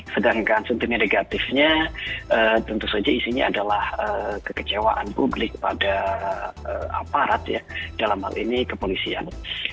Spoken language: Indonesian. sedangkan sentimen negatifnya tentu saja isinya adalah kekecewaan publik pada aparat ya dalam hal ini kepolisian